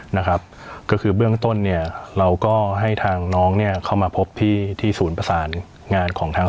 นะครับก็คือเบื้องต้นเนี่ยเราก็ให้ทางน้องเนี่ยเข้ามาพบที่ที่ศูนย์ประสานงานของทาง